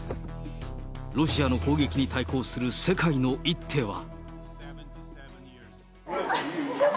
ロシアの攻撃に対抗する世界の一手は。